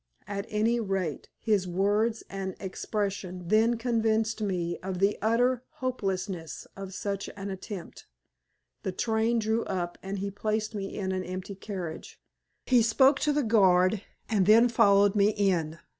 At any rate, his words and expression then convinced me of the utter hopelessness of such an attempt. The train drew up, and he placed me in an empty carriage. He spoke to the guard and then followed me in.